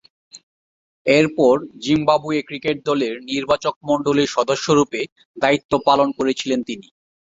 এরপর Zimbabwe cricket দলের নির্বাচকমণ্ডলীর সদস্যরূপে দায়িত্ব পালন করেছিলেন তিনি।